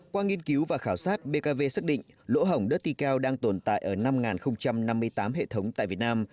qua nghiên cứu và khảo sát bkv xác định lỗ hỏng đấtticao đang tồn tại ở năm năm mươi tám hệ thống tại việt nam